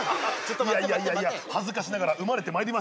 いやいやいやいや恥ずかしながら生まれてまいりました。